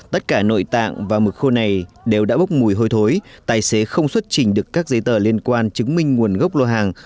tất cả nội tạng và mực khô này đều đã bốc mùi hôi thối tài xế không xuất trình được các giấy tờ liên quan chứng minh nguồn gốc lô hàng